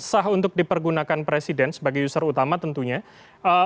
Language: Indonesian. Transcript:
pertama apakah data itu bisa dipergunakan oleh presiden